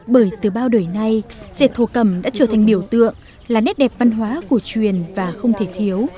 bởi từ bao đời nay dệt thổ cầm đã trở thành biểu tượng là nét đẹp văn hóa cổ truyền và không thể thiếu